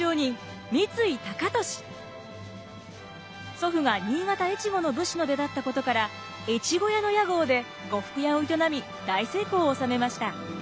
祖父が新潟越後の武士の出だったことから越後屋の屋号で呉服屋を営み大成功を収めました。